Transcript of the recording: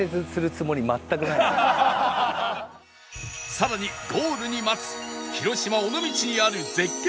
さらにゴールに待つ広島尾道にある絶景